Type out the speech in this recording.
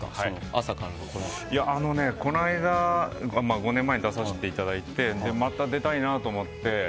５年前に出させていただいて、また出たいなと思って。